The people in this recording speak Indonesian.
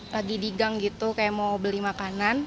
lagi digang gitu kayak mau beli makanan